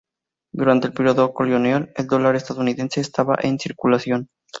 Durante el período colonial, el dólar estadounidense estaba en circulación.